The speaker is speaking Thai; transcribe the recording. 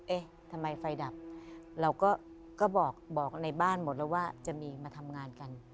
เอ๊ะทำไมไฟดับเราก็บอกในบ้านหมดแล้วว่าจะมีมาทำงานกัน